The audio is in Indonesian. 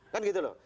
kan gitu loh